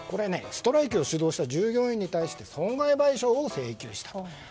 ストライキを主導した従業員に対し損害賠償を請求した。